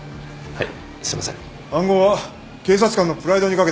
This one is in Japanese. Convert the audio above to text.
はい！